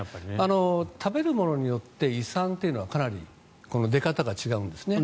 食べるものによって胃酸というのはかなり出方が違うんですね。